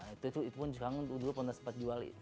itu pun sekarang dulu pernah sempat jualin